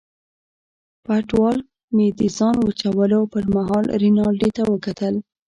په اټوال مې د ځان وچولو پرمهال رینالډي ته وکتل.